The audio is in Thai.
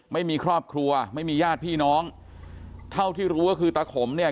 ไม่มีครอบครัวไม่มีญาติพี่น้องเท่าที่รู้ก็คือตาขมเนี่ย